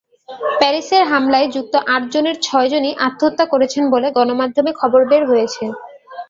প্যারিসের হামলায় যুক্ত আটজনের ছয়জনই আত্মহত্যা করেছেন বলে গণমাধ্যমে খবর বের হয়েছে।